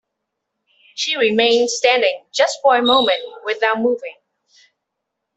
She remained standing just for a moment without moving.